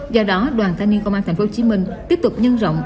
do đó đoàn thanh niên công an tp hcm tiếp tục nhân rộng